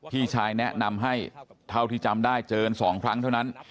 พี่ชายแนะนำให้เท่าที่จำได้เจอกัน๒ครั้งเท่านั้น